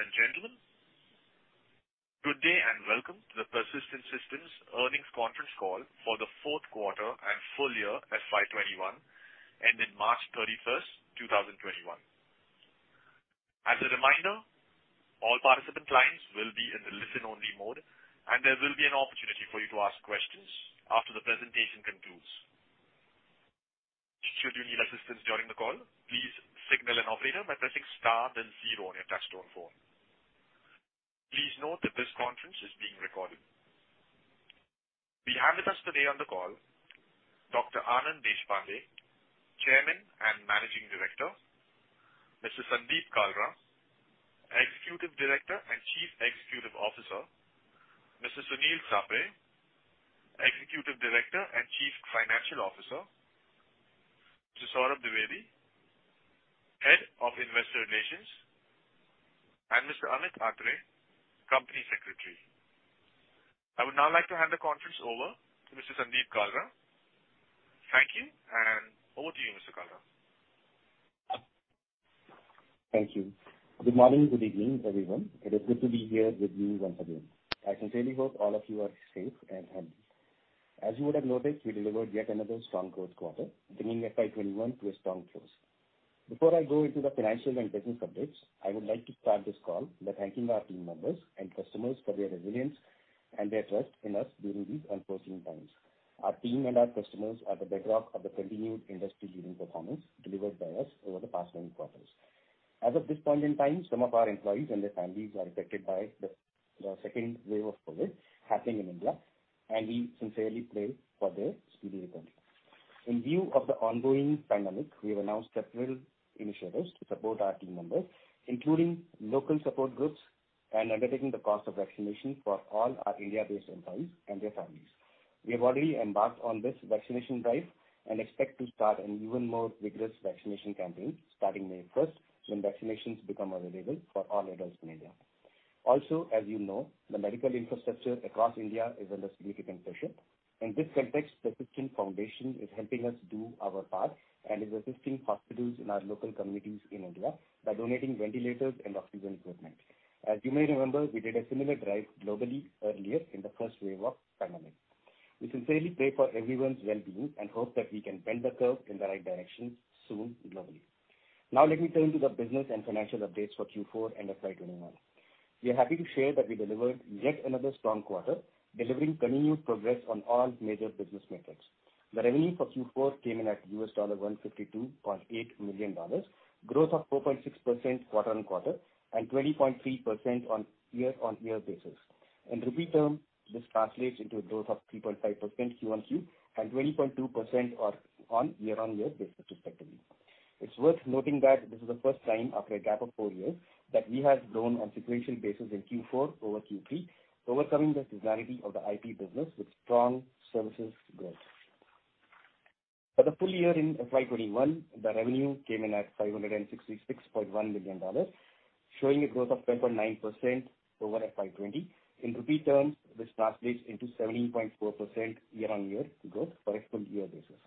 Ladies and gentlemen, good day and welcome to the Persistent Systems earnings conference call for the fourth quarter and full year FY 2021, ending March 31st, 2021. As a reminder, all participant lines will be in the listen-only mode, and there will be an opportunity for you to ask questions after the presentation concludes. Should you need assistance during the call, please signal an operator by pressing star then zero on your touch-tone phone. Please note that this conference is being recorded. We have with us today on the call Dr. Anand Deshpande, Chairman and Managing Director. Mr. Sandeep Kalra, Executive Director and Chief Executive Officer. Mr. Sunil Sapre, Executive Director and Chief Financial Officer. Mr. Saurabh Dwivedi, Head of Investor Relations, and Mr. Amit Atre, Company Secretary. I would now like to hand the conference over to Mr. Sandeep Kalra. Thank you, and over to you, Mr. Kalra. Thank you. Good morning. Good evening, everyone. It is good to be here with you once again. I sincerely hope all of you are safe and healthy. As you would have noticed, we delivered yet another strong growth quarter, bringing FY 2021 to a strong close. Before I go into the financial and business updates, I would like to start this call by thanking our team members and customers for their resilience and their trust in us during these unforeseen times. Our team and our customers are the bedrock of the continued industry-leading performance delivered by us over the past nine quarters. As of this point in time, some of our employees and their families are affected by the second wave of COVID happening in India, and we sincerely pray for their speedy recovery. In view of the ongoing pandemic, we have announced several initiatives to support our team members, including local support groups and undertaking the cost of vaccination for all our India-based employees and their families. We have already embarked on this vaccination drive and expect to start an even more vigorous vaccination campaign starting May 1st when vaccinations become available for all adults in India. Also, as you know, the medical infrastructure across India is under significant pressure. In this context, Persistent Foundation is helping us do our part and is assisting hospitals in our local communities in India by donating ventilators and oxygen equipment. As you may remember, we did a similar drive globally earlier in the first wave of pandemic. We sincerely pray for everyone's well-being and hope that we can bend the curve in the right direction soon globally. Now let me turn to the business and financial updates for Q4 and FY21. We are happy to share that we delivered yet another strong quarter, delivering continued progress on all major business metrics. The revenue for Q4 came in at $152.8 million, growth of 4.6% quarter-on-quarter and 20.3% on year-on-year basis. In INR term, this translates into a growth of 3.5% QoQ and 20.2% on year-on-year basis respectively. It's worth noting that this is the first time after a gap of four years that we have grown on sequential basis in Q4 over Q3, overcoming the seasonality of the IT business with strong services growth. For the full year in FY21, the revenue came in at $566.1 million, showing a growth of 10.9% over FY20. In INR terms, this translates into 17.4% year-on-year growth for a full year basis.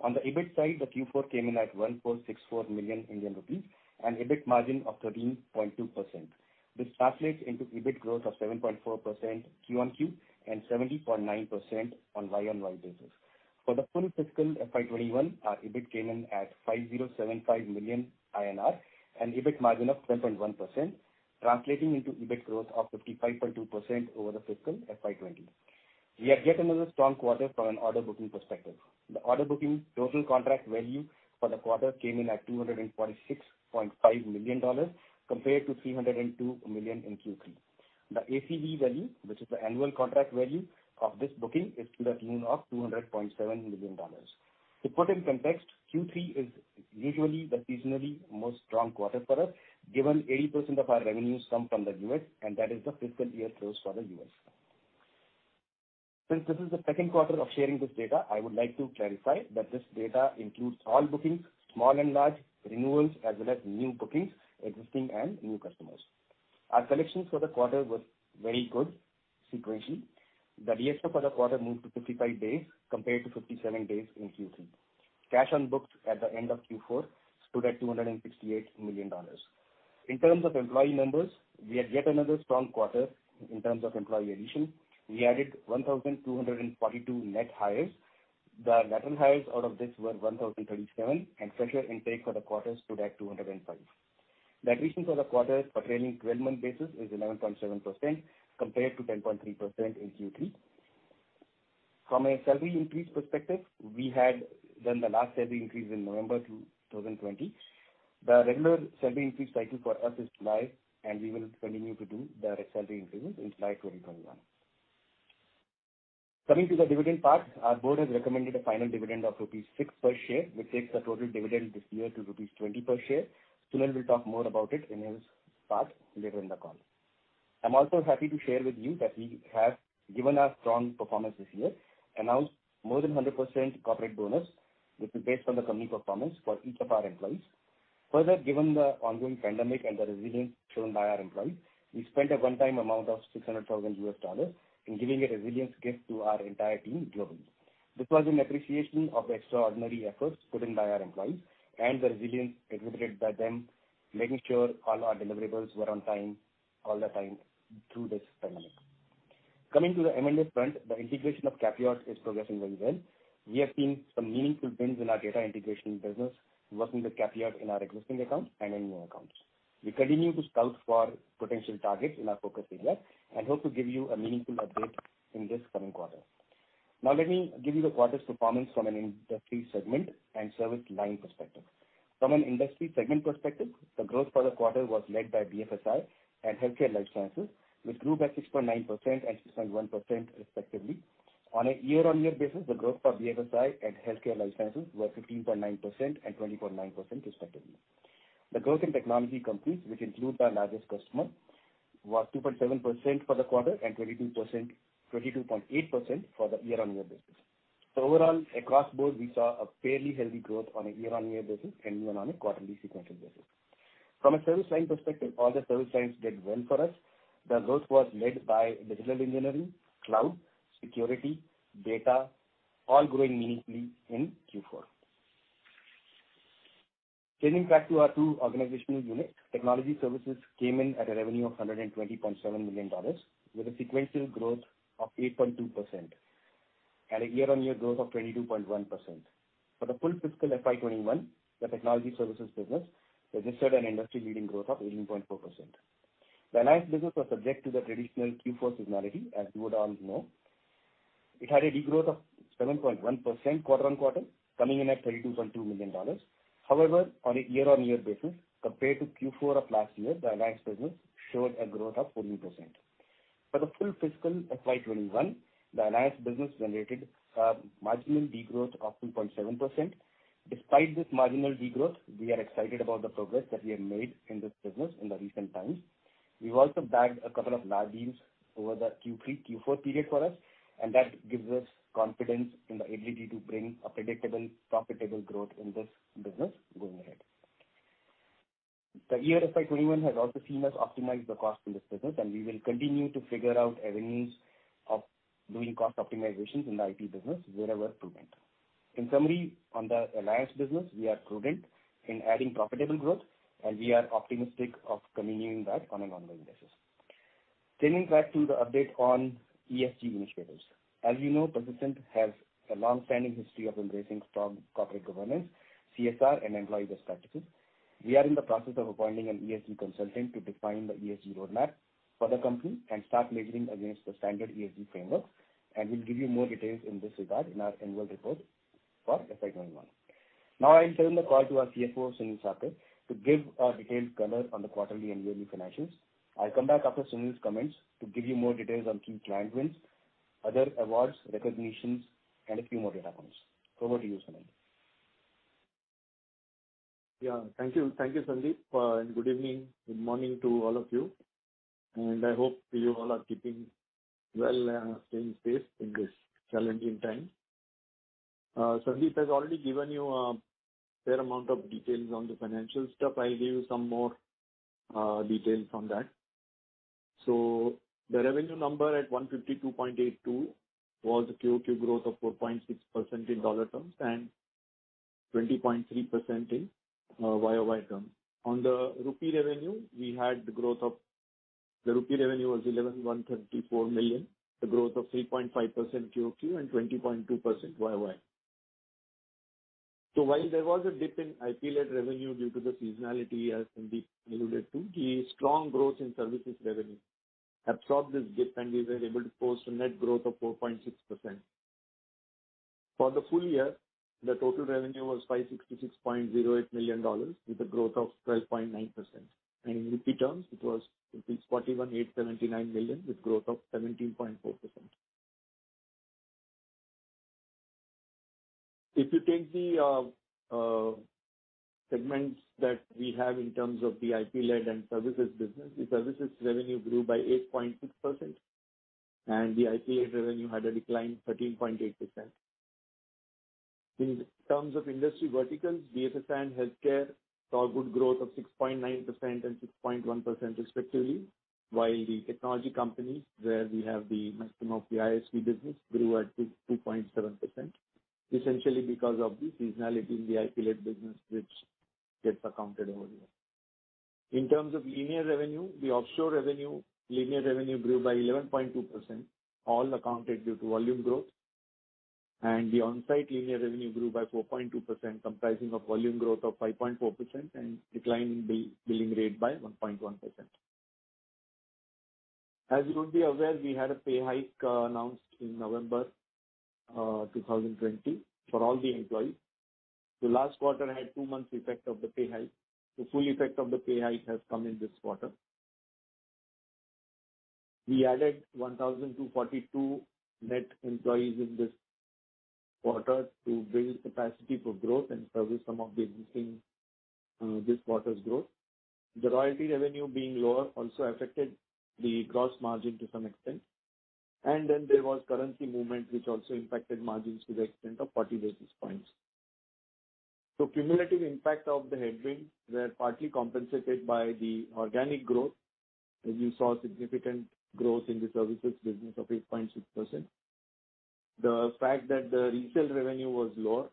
On the EBIT side, the Q4 came in at 1.64 million Indian rupees and EBIT margin of 13.2%. This translates into EBIT growth of 7.4% Q-on-Q and 70.9% on Y-on-Y basis. For the full fiscal FY 2021, our EBIT came in at 5,075 million INR, an EBIT margin of 10.1%, translating into EBIT growth of 55.2% over the fiscal FY 2020. We had yet another strong quarter from an order booking perspective. The order booking total contract value for the quarter came in at $246.5 million compared to $302 million in Q3. The ACV value, which is the annual contract value of this booking, is to the tune of $200.7 million. To put in context, Q3 is usually the seasonally most strong quarter for us, given 80% of our revenues come from the U.S., and that is the fiscal year close for the U.S. Since this is the second quarter of sharing this data, I would like to clarify that this data includes all bookings, small and large, renewals, as well as new bookings, existing and new customers. The DSO for the quarter moved to 55 days compared to 57 days in Q3. Cash unbooked at the end of Q4 stood at INR 268 million. In terms of employee numbers, we had yet another strong quarter in terms of employee addition. We added 1,242 net hires. The lateral hires out of this were 1,037, and fresher intake for the quarter stood at 205. The attrition for the quarter for trailing 12-month basis is 11.7% compared to 10.3% in Q3. From a salary increase perspective, we had done the last salary increase in November 2020. The regular salary increase cycle for us is July, and we will continue to do the salary increases in FY 2021. Coming to the dividend part. Our board has recommended a final dividend of rupees 6 per share, which takes the total dividend this year to rupees 20 per share. Sunil will talk more about it in his part later in the call. I'm also happy to share with you that we have given our strong performance this year, announced more than 100% corporate bonus, which is based on the company performance for each of our employees. Further, given the ongoing pandemic and the resilience shown by our employees, we spent a one-time amount of $600,000 in giving a resilience gift to our entire team globally. This was in appreciation of the extraordinary efforts put in by our employees and the resilience exhibited by them, making sure all our deliverables were on time, all the time through this pandemic. Coming to the M&A front, the integration of CAPIOT is progressing very well. We have seen some meaningful wins in our data integration business, working with CAPIOT in our existing accounts and in new accounts. We continue to scout for potential targets in our focus area and hope to give you a meaningful update in this coming quarter. Now let me give you the quarter's performance from an industry segment and service line perspective. From an industry segment perspective, the growth for the quarter was led by BFSI and healthcare life sciences, which grew by 6.9% and 6.1% respectively. On a year-on-year basis, the growth for BFSI and healthcare life sciences were 15.9% and 20.9% respectively. The growth in technology companies, which include our largest customer, was 2.7% for the quarter and 22.8% for the year-on-year basis. Overall, across board, we saw a fairly healthy growth on a year-on-year basis and even on a quarterly sequential basis. From a service line perspective, all the service lines did well for us. The growth was led by digital engineering, cloud, security, data, all growing meaningfully in Q4. Turning back to our two organizational units. Technology services came in at a revenue of $120.7 million, with a sequential growth of 8.2% and a year-on-year growth of 22.1%. For the full fiscal FY 2021, the technology services business registered an industry-leading growth of 18.4%. The alliance business was subject to the traditional Q4 seasonality, as you would all know. It had a degrowth of 7.1% quarter-on-quarter, coming in at $32.2 million. However, on a year-on-year basis, compared to Q4 of last year, the alliance business showed a growth of 14%. For the full fiscal FY 2021, the alliance business generated a marginal degrowth of 2.7%. Despite this marginal degrowth, we are excited about the progress that we have made in this business in the recent times. We've also bagged a couple of large deals over the Q3, Q4 period for us, and that gives us confidence in the ability to bring a predictable, profitable growth in this business going ahead. The year FY 2021 has also seen us optimize the cost in this business, and we will continue to figure out avenues of doing cost optimizations in the IT business wherever prudent. In summary, on the alliance business, we are prudent in adding profitable growth, and we are optimistic of continuing that on an ongoing basis. Turning back to the update on ESG initiatives. As you know, Persistent has a long-standing history of embracing strong corporate governance, CSR, and employee-best practices. We are in the process of appointing an ESG consultant to define the ESG roadmap for the company and start measuring against the standard ESG framework. We'll give you more details in this regard in our annual report for FY 2021. I turn the call to our CFO, Sunil Sapre, to give a detailed color on the quarterly and yearly financials. I'll come back after Sunil's comments to give you more details on key client wins, other awards, recognitions, and a few more details. Over to you, Sunil. Thank you, Sandeep. Good evening, good morning to all of you, and I hope you all are keeping well and staying safe in this challenging time. Sandeep has already given you a fair amount of details on the financial stuff. I'll give you some more details on that. The revenue number at $152.82 was a QOQ growth of 4.6% in dollar terms and 20.3% in YOY terms. On the INR revenue, the INR revenue was 1,134 million, a growth of 3.5% QOQ and 20.2% YOY. While there was a dip in IP-led revenue due to the seasonality, as Sandeep alluded to, the strong growth in services revenue absorbed this dip, and we were able to post a net growth of 4.6%. For the full year, the total revenue was $566.08 million with a growth of 12.9%. In rupee terms, it was rupees 41,879 million with growth of 17.4%. If you take the segments that we have in terms of the IP-led and services business, the services revenue grew by 8.6%, and the IP-led revenue had a decline, 13.8%. In terms of industry verticals, BFSI and healthcare saw good growth of 6.9% and 6.1% respectively. The technology companies, where we have the maximum of the ISV business, grew at 2.7%, essentially because of the seasonality in the IP-led business which gets accounted over here. In terms of linear revenue, the offshore revenue, linear revenue grew by 11.2%, all accounted due to volume growth. The onsite linear revenue grew by 4.2%, comprising of volume growth of 5.4% and decline in billing rate by 1.1%. As you would be aware, we had a pay hike announced in November 2020 for all the employees. The last quarter had two months effect of the pay hike. The full effect of the pay hike has come in this quarter. We added 1,242 net employees in this quarter to build capacity for growth and service some of the existing this quarter's growth. The royalty revenue being lower also affected the gross margin to some extent. Then there was currency movement which also impacted margins to the extent of 40 basis points. Cumulative impact of the headwind were partly compensated by the organic growth, as you saw significant growth in the services business of 8.6%. The fact that the retail revenue was lower,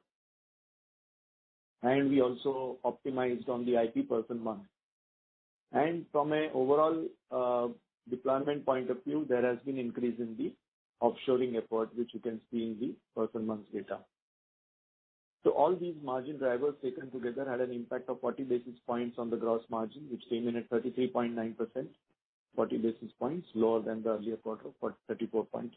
and we also optimized on the IT person month. From an overall deployment point of view, there has been increase in the offshoring effort, which you can see in the person months data. All these margin drivers taken together had an impact of 40 basis points on the gross margin, which came in at 33.9%, 40 basis points lower than the earlier quarter for 34.3%.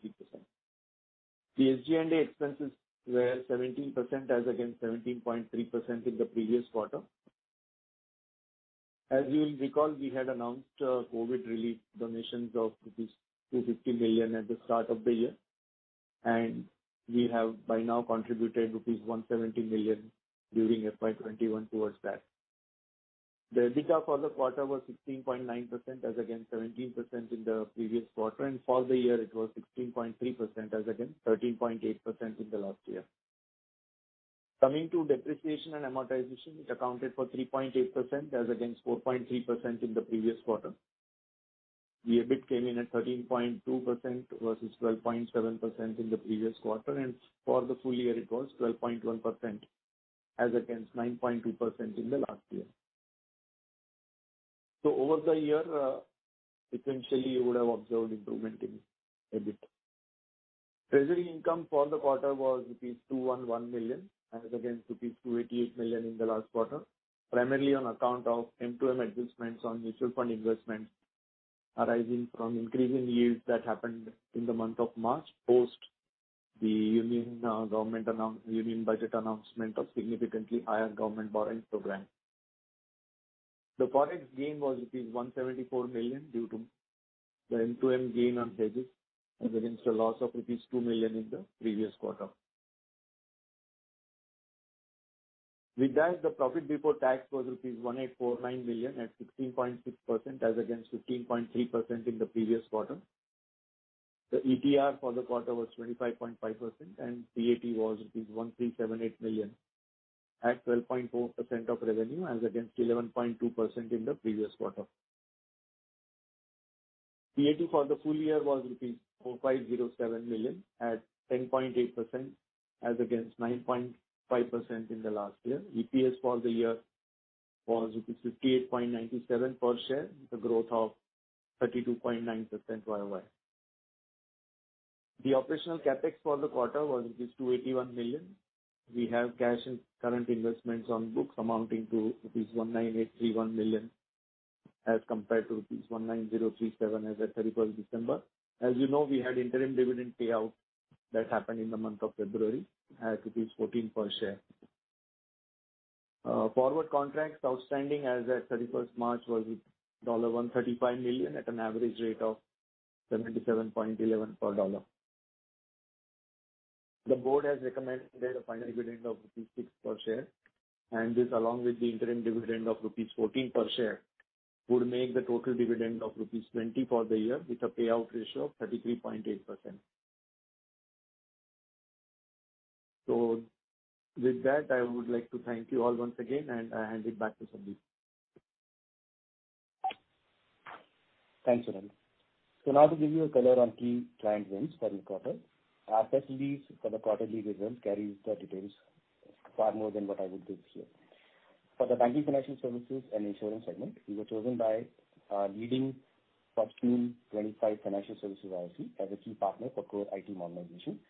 The SG&A expenses were 17% as against 17.3% in the previous quarter. As you will recall, we had announced COVID relief donations of rupees 250 million at the start of the year, we have by now contributed rupees 170 million during FY 2021 towards that. The EBITDA for the quarter was 16.9% as against 17% in the previous quarter, for the year it was 16.3% as against 13.8% in the last year. Coming to depreciation and amortization, it accounted for 3.8% as against 4.3% in the previous quarter. The EBIT came in at 13.2% versus 12.7% in the previous quarter, for the full year it was 12.1% as against 9.2% in the last year. Over the year, essentially, you would have observed improvement in EBIT. Treasury income for the quarter was rupees 211 million as against rupees 288 million in the last quarter. Primarily on account of M2M adjustments on mutual fund investments arising from increasing yields that happened in the month of March post the union budget announcement of significantly higher government borrowing program. The Forex gain was rupees 174 million due to the M2M gain on hedges as against a loss of rupees 2 million in the previous quarter. With that, the profit before tax was rupees 1,849 million at 16.6% as against 15.3% in the previous quarter. The ETR for the quarter was 25.5% and PAT was rupees 1,378 million at 12.4% of revenue as against 11.2% in the previous quarter. PAT for the full year was rupees 4,507 million at 10.8% as against 9.5% in the last year. EPS for the year was 58.97 per share, with a growth of 32.9% YOY. The operational CapEx for the quarter was rupees 281 million. We have cash and current investments on books amounting to rupees 19,831 million as compared to rupees 19,037 as at 31st December. As you know, we had interim dividend payout that happened in the month of February as 14 per share. Forward contracts outstanding as at 31st March was with $135 million at an average rate of 77.11 per dollar. The board has recommended a final dividend of rupees 6 per share and this, along with the interim dividend of rupees 14 per share would make the total dividend of rupees 20 for the year with a payout ratio of 33.8%. With that, I would like to thank you all once again, and I hand it back to Sandeep. Thanks, Sunil. Now to give you a color on key client wins for the quarter. Our press release for the quarterly results carries the details far more than what I would do here. For the banking financial services and insurance segment, we were chosen by a leading Fortune 25 financial services ISV as a key partner for core IT modernization.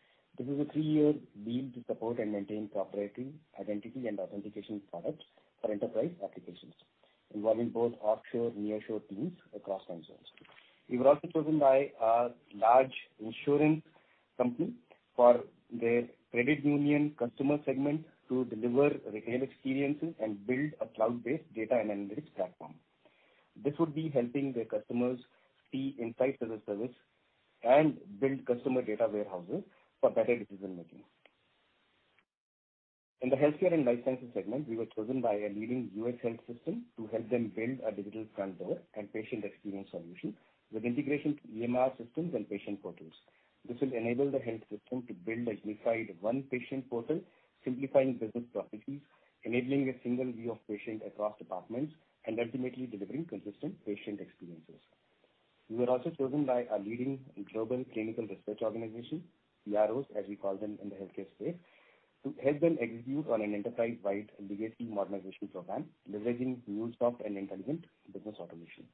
This is a three-year deal to support and maintain proprietary identity and authentication products for enterprise applications involving both offshore and nearshore teams across functions. We were also chosen by a large insurance company for their credit union customer segment to deliver retail experiences and build a cloud-based data analytics platform. This would be helping their customers see inside the service and build customer data warehouses for better decision-making. In the healthcare and life sciences segment, we were chosen by a leading U.S. health system to help them build a digital front door and patient experience solution with integration to EMR systems and patient portals. This will enable the health system to build a unified one patient portal, simplifying business processes, enabling a single view of patient across departments and ultimately delivering consistent patient experiences. We were also chosen by a leading global Clinical Research Organization, CROs, as we call them in the healthcare space, to help them execute on an enterprise-wide legacy modernization program leveraging MuleSoft and intelligent business automation.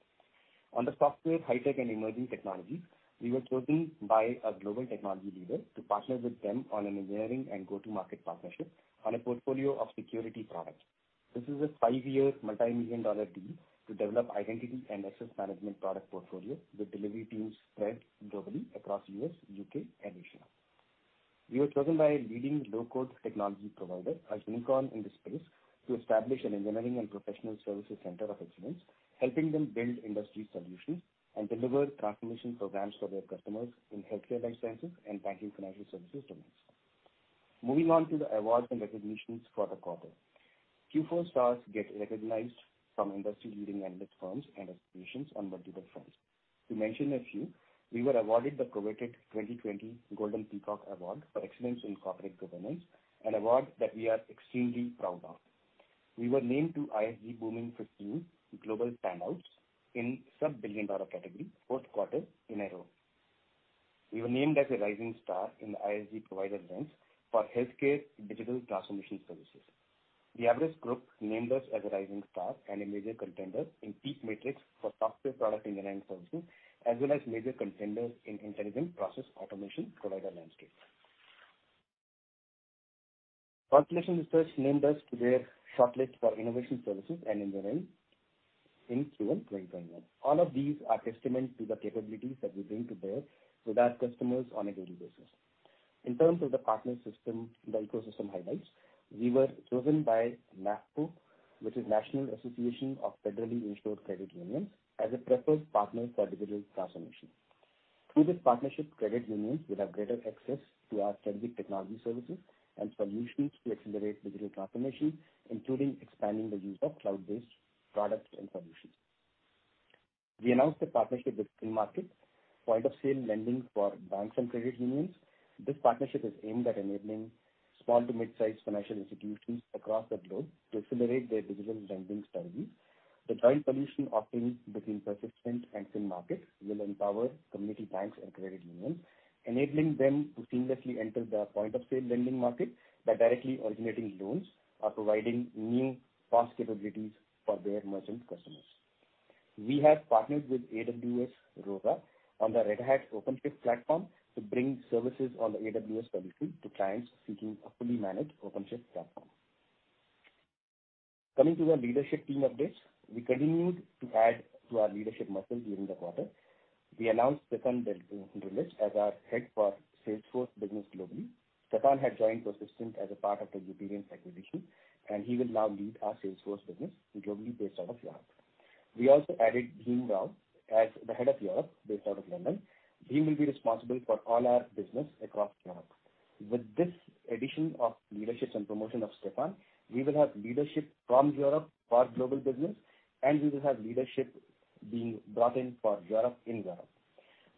On the software, high tech and emerging technology, we were chosen by a global technology leader to partner with them on an engineering and go-to-market partnership on a portfolio of security products. This is a five-year multimillion dollar deal to develop identity and access management product portfolio with delivery teams spread globally across U.S., U.K. and Asia. We were chosen by a leading low code technology provider, a unicorn in the space, to establish an engineering and professional services center of excellence, helping them build industry solutions and deliver transformation programs for their customers in healthcare life sciences and BFSI domains. Moving on to the awards and recognitions for the quarter. Q4 Stars get recognized from industry-leading analyst firms and associations on multiple fronts. To mention a few, we were awarded the coveted 2020 Golden Peacock Award for excellence in corporate governance, an award that we are extremely proud of. We were named to ISG Booming Fifteen Global Standouts in sub-billion-dollar category fourth quarter in a row. We were named as a Rising Star in the ISG Provider Lens for healthcare digital transformation services. The Everest Group named us as a Rising Star and a Major Contender in PEAK Matrix for software product engineering services, as well as Major Contender in intelligent process automation provider landscape. Constellation Research named us to their shortlist for innovation services and environment in Q1 2021. All of these are testament to the capabilities that we bring to bear to our customers on a daily basis. In terms of the partner ecosystem highlights, we were chosen by NAFCU, which is National Association of Federally-Insured Credit Unions, as a preferred partner for digital transformation. Through this partnership, credit unions will have greater access to our strategic technology services and solutions to accelerate digital transformation, including expanding the use of cloud-based products and solutions. We announced a partnership with FinMkt, point-of-sale lending for banks and credit unions. This partnership is aimed at enabling small to mid-size financial institutions across the globe to accelerate their digital lending strategies. The joint solution offering between Persistent and FinMkt will empower community banks and credit unions, enabling them to seamlessly enter the point-of-sale lending market by directly originating loans or providing new PaaS capabilities for their merchant customers. We have partnered with AWS ROSA on the Red Hat OpenShift platform to bring services on the AWS public cloud to clients seeking a fully managed OpenShift platform. Coming to the leadership team updates, we continued to add to our leadership muscle during the quarter. We announced Steffen Drillich as our head for Salesforce business globally. Steffen had joined Persistent as a part of the PARX acquisition, and he will now lead our Salesforce business globally based out of Europe. We also added Jim Rao as the head of Europe based out of London. Jim will be responsible for all our business across Europe. With this addition of leadership and promotion of Steffen, we will have leadership from Europe for our global business, and we will have leadership being brought in for Europe in Europe.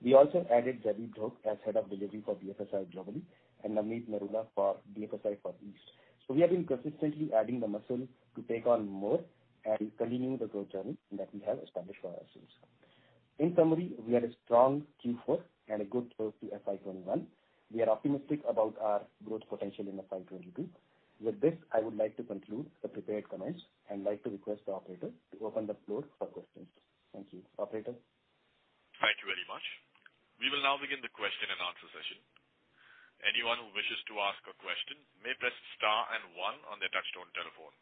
We also added Jaideep Dhok as head of delivery for BFSI globally and Namit Narula for BFSI for East. We have been persistently adding the muscle to take on more and continue the growth journey that we have established for ourselves. In summary, we had a strong Q4 and a good start to FY 2021. We are optimistic about our growth potential in FY 2022. With this, I would like to conclude the prepared comments and like to request the operator to open the floor for questions. Thank you. Operator? Thank you very much. We will now begin the question and answer session. Anyone who wishes to ask a question may press star and one on their touch-tone telephone.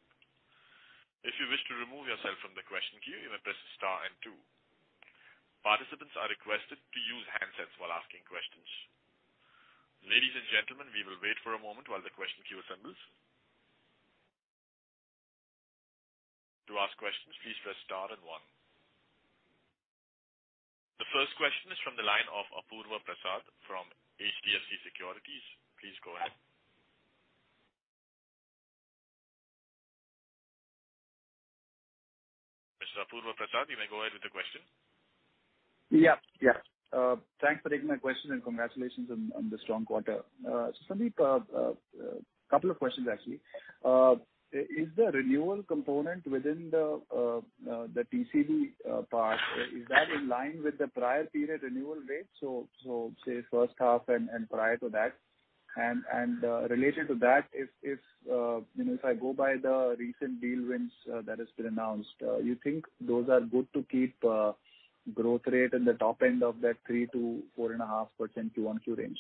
If you wish to remove yourself from the question queue, you may press star and two. Participants are requested to use handsets while asking questions. Ladies and gentlemen, we will wait for a moment while the question queue assembles. To ask questions, please press star and one. The first question is from the line of Apurva Prasad from HDFC Securities. Please go ahead. Mr. Apurva Prasad, you may go ahead with the question. Yeah. Thanks for taking my question and congratulations on the strong quarter. Sandeep, couple of questions, actually. Is the renewal component within the TCD part, is that in line with the prior period renewal rate, so say first half and prior to that? Related to that, if I go by the recent deal wins that has been announced, you think those are good to keep growth rate at the top end of that 3%-4.5% QOQ range?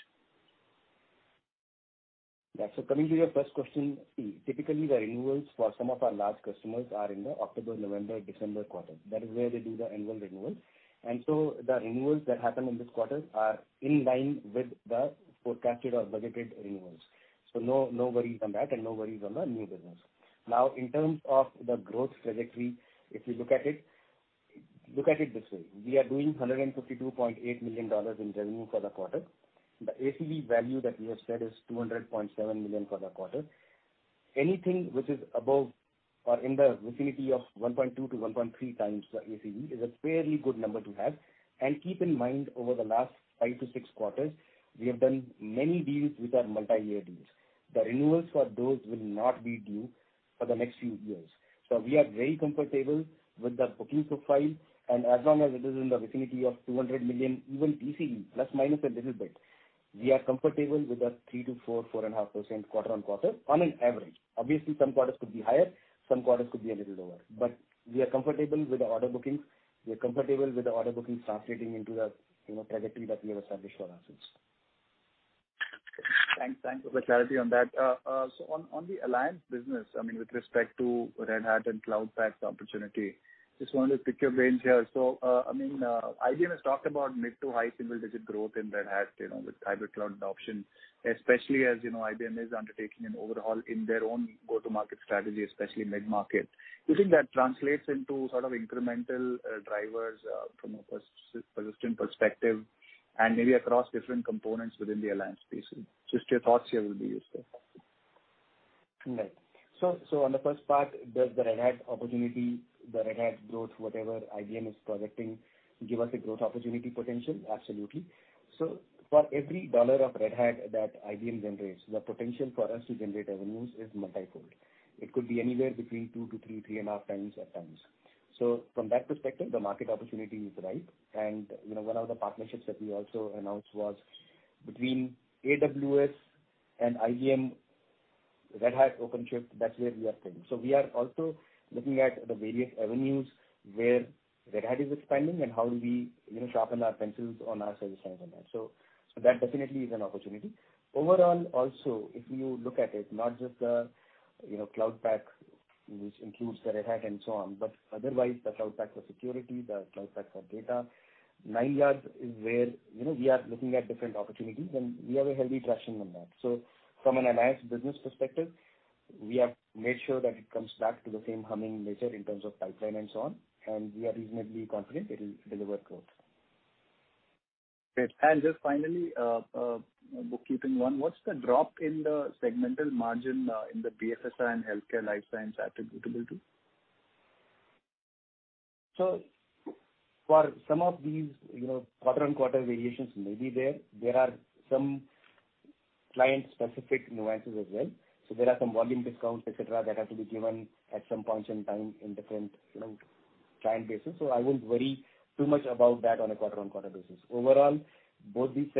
Coming to your first question, typically, the renewals for some of our large customers are in the October, November, December quarter. That is where they do the annual renewals. The renewals that happen in this quarter are in line with the forecasted or budgeted renewals. No worries on that and no worries on the new business. In terms of the growth trajectory, if you look at it this way. We are doing $152.8 million in revenue for the quarter. The ACV value that we have said is $200.7 million for the quarter. Anything which is above or in the vicinity of 1.2x-1.3x the ACV is a fairly good number to have. Keep in mind, over the last five to six quarters, we have done many deals which are multi-year deals. The renewals for those will not be due for the next few years. We are very comfortable with the bookings profile, and as long as it is in the vicinity of $200 million, even TCV, +, minus a little bit, we are comfortable with the 3%-4%, 4.5% quarter-on-quarter on an average. Obviously, some quarters could be higher, some quarters could be a little lower. We are comfortable with the order bookings. We are comfortable with the order bookings translating into the trajectory that we have established for ourselves. Thanks for the clarity on that. On the alliance business, with respect to Red Hat and Cloud Pak opportunity, just wanted to pick your brains here. IBM has talked about mid to high single-digit growth in Red Hat with hybrid cloud adoption, especially as IBM is undertaking an overhaul in their own go-to-market strategy, especially mid-market. Do you think that translates into sort of incremental drivers from a Persistent perspective and maybe across different components within the alliance piece? Just your thoughts here will be useful. Right. On the first part, does the Red Hat opportunity, the Red Hat growth, whatever IBM is projecting, give us a growth opportunity potential? Absolutely. For every dollar of Red Hat that IBM generates, the potential for us to generate revenues is multi-fold. It could be anywhere between 2x-3.5x at times. From that perspective, the market opportunity is right. One of the partnerships that we also announced was between AWS and IBM, Red Hat OpenShift, that's where we are playing. We are also looking at the various avenues where Red Hat is expanding and how do we sharpen our pencils on our sales teams on that. That definitely is an opportunity. Overall, also, if you look at it, not just the Cloud Pak, which includes the Red Hat and so on, but otherwise, the Cloud Pak for security, the Cloud Pak for data, nine yards is where we are looking at different opportunities, and we have a healthy traction on that. From an alliance business perspective, we have made sure that it comes back to the same humming nature in terms of pipeline and so on, and we are reasonably confident it will deliver growth. Great. Just finally, a bookkeeping one. What's the drop in the segmental margin in the BFSI and healthcare life science attributable to? For some of these, quarter-on-quarter variations may be there. There are some client-specific nuances as well. There are some volume discounts, et cetera, that have to be given at some point in time in different client bases. I wouldn't worry too much about that on a quarter-on-quarter basis. Overall, we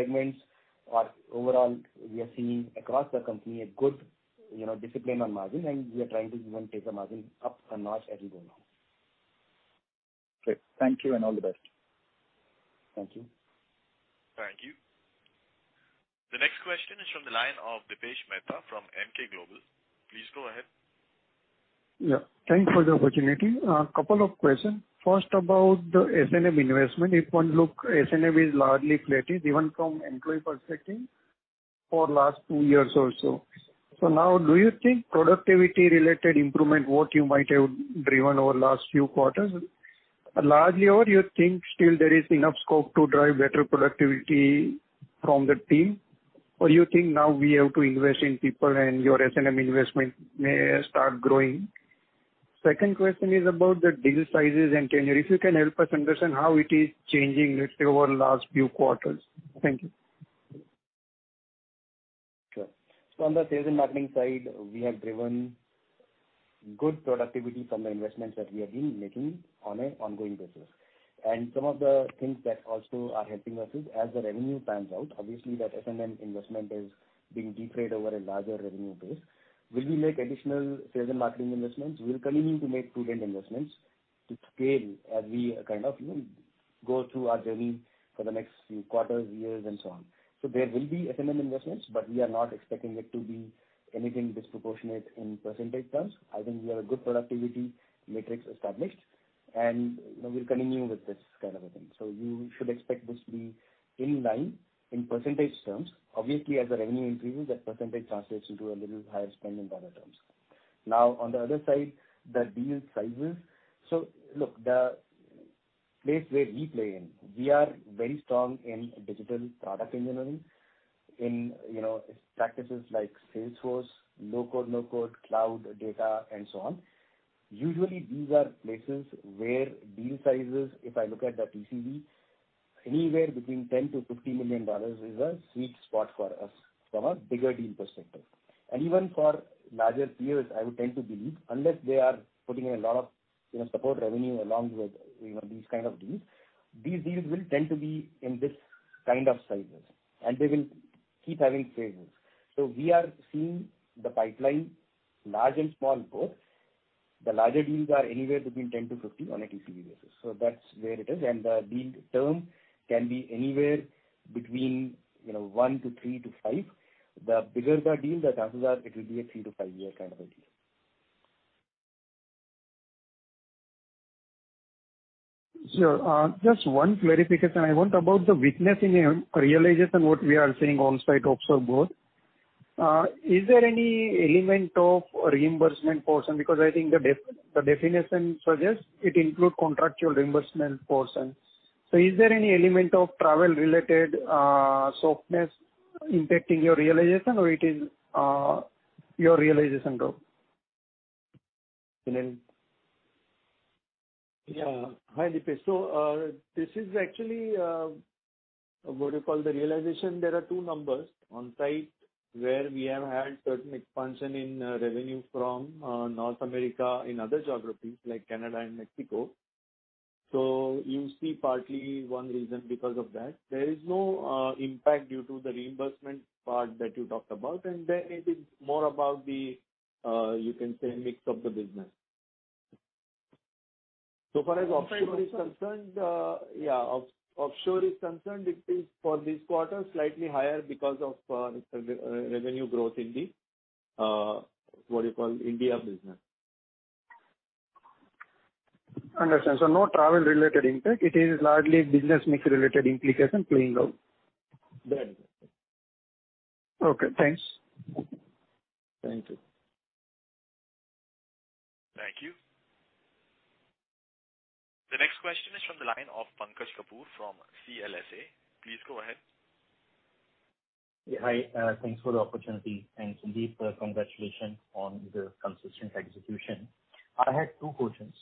are seeing across the company a good discipline on margin, and we are trying to even take the margin up a notch as we go now. Great. Thank you and all the best. Thank you. Thank you. The next question is from the line of Dipesh Mehta from Emkay Global. Please go ahead. Yeah, thanks for the opportunity. A couple of questions. First, about the S&M investment. If one looks, S&M is largely flat, even from employee perspective for last two years or so. Now, do you think productivity-related improvement, what you might have driven over last few quarters, largely, or you think still there is enough scope to drive better productivity from the team? You think now we have to invest in people and your S&M investment may start growing? Second question is about the deal sizes and tenure. If you can help us understand how it is changing, let's say, over last few quarters. Thank you. Sure. On the sales and marketing side, we have driven good productivity from the investments that we have been making on an ongoing basis. Some of the things that also are helping us is as the revenue fans out, obviously that S&M investment is being defrayed over a larger revenue base. Will we make additional sales and marketing investments? We'll continue to make prudent investments to scale as we kind of go through our journey for the next few quarters, years, and so on. There will be S&M investments, but we are not expecting it to be anything disproportionate in percentage terms. I think we have a good productivity matrix established, and we'll continue with this kind of a thing. You should expect this to be in line in percentage terms. Obviously, as the revenue increases, that percentage translates into a little higher spend in dollar terms. On the other side, the deal sizes. Look, the place where we play in, we are very strong in digital product engineering, in practices like Salesforce, low code, no code, cloud data, and so on. Usually, these are places where deal sizes, if I look at the TCV, anywhere between $10 million-$50 million is a sweet spot for us from a bigger deal perspective. Even for larger peers, I would tend to believe, unless they are putting in a lot of support revenue along with these kind of deals, these deals will tend to be in this kind of sizes, and they will keep having phases. We are seeing the pipeline large and small both. The larger deals are anywhere between $10 million-$50 million on a TCV basis. That's where it is. The deal term can be anywhere between one to three to five. The bigger the deal, the chances are it will be a three to five year kind of a deal. Sure. Just one clarification I want about the weakness in realization what we are seeing on-site, offshore both. Is there any element of reimbursement portion? I think the definition suggests it includes contractual reimbursement portion. Is there any element of travel-related softness impacting your realization, or it is your realization growth? Sunil? Yeah. Hi, Dipesh. This is actually what you call the realization. There are two numbers on-site where we have had certain expansion in revenue from North America in other geographies like Canada and Mexico. You see partly one reason because of that. There is no impact due to the reimbursement part that you talked about. It is more about the, you can say, mix of the business. So far as offshore is concerned, it is for this quarter slightly higher because of revenue growth in the, what do you call, India business. Understand. No travel-related impact. It is largely business mix related implication playing out. That is it. Okay, thanks. Thank you. Thank you. The next question is from the line of Pankaj Kapoor from CLSA. Please go ahead. Hi. Thanks for the opportunity, Sandeep, congratulations on the consistent execution. I had two questions.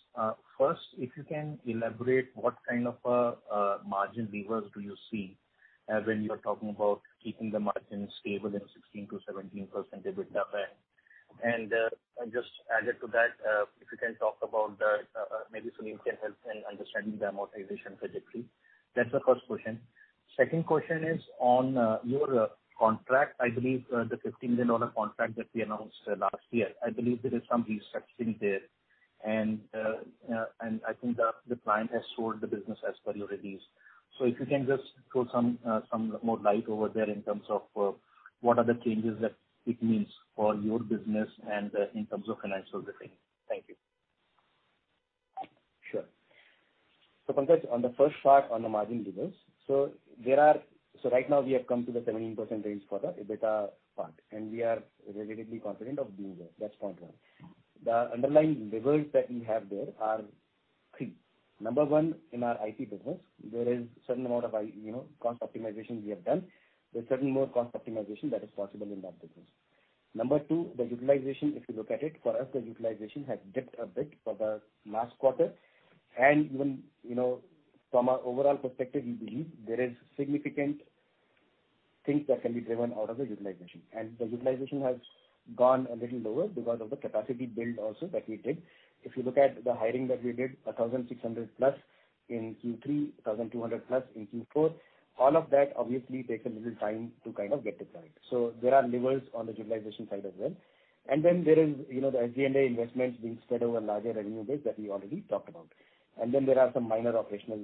First, if you can elaborate what kind of a margin levers do you see when you are talking about keeping the margin stable in 16%-17% EBITDA? Just added to that, if you can talk about, maybe Sunil can help in understanding the amortization trajectory. That's the first question. Second question is on your contract. I believe the $15 million contract that we announced last year. I believe there is some restructuring there. I think the client has sold the business as per your release. If you can just throw some more light over there in terms of what are the changes that it means for your business and, in terms of financial reckoning. Thank you. Sure. Pankaj, on the first part on the margin levers. Right now, we have come to the 17% range for the EBITDA part, and we are relatively confident of being there. That's point one. The underlying levers that we have there are three. Number one, in our IT business, there is certain amount of cost optimization we have done. There's certain more cost optimization that is possible in that business. Number two, the utilization, if you look at it, for us, the utilization has dipped a bit for the last quarter. Even, from our overall perspective, we believe there is significant things that can be driven out of the utilization. The utilization has gone a little lower because of the capacity build also that we did. If you look at the hiring that we did, 1,600+ in Q3, 1,200+ in Q4. All of that obviously takes a little time to kind of get it right. There are levers on the utilization side as well. There is the SG&A investments being spread over larger revenue base that we already talked about. There are some minor operational